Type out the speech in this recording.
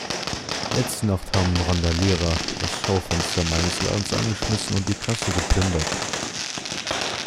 Letzte Nacht haben Randalierer das Schaufenster meines Ladens eingeschmissen und die Kasse geplündert.